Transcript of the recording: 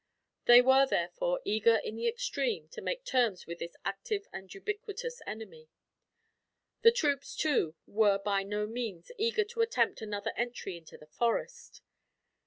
They were, therefore, eager in the extreme to make terms with this active and ubiquitous enemy. The troops, too, were by no means eager to attempt another entry into the forest.